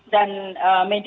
dan media mengikuti